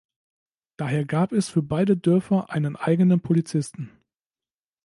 Daher gab es für beide Dörfer einen eigenen Polizisten.